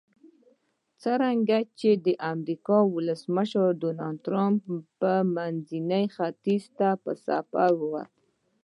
لکه څرنګه چې د امریکا ولسمشر ډونلډ ټرمپ منځني ختیځ ته په سفر وتلی.